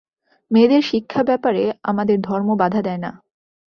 মেয়েদের শিক্ষা-ব্যাপারে আমাদের ধর্ম বাধা দেয় না।